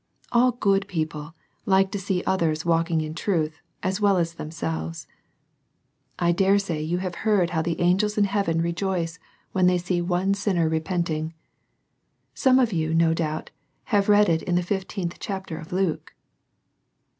All good people like to see others walking in truth, as well as themselves. I dare say you have heaid how the angels in heaven rejoice CHILDREN WALKING IN TRUTH. 33 when they see one sinner repenting. Some of you, no doubt, have read it in the fifteenth chapter of Luke.